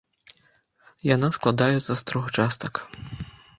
Яна складаецца з трох частак.